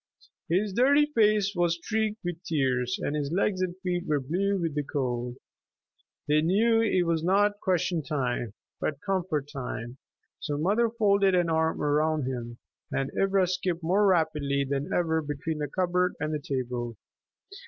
His dirty face was streaked with tears, and his legs and feet were blue with the cold. They knew it was not question time, but comfort time, so the mother folded an arm about him, and Ivra skipped more rapidly than ever between the cupboard and the table.